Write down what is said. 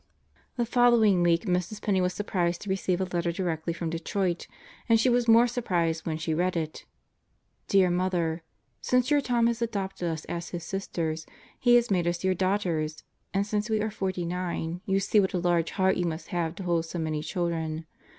... The following week Mrs. Penney was surprised to receive a letter directly from Detroit; and she was more surprised when she read it: Dear Mother: Since your Tom has adopted us as his sisters, he has made us your daughters, and since we are forty nine you see what a large heart you must have to hold so many children.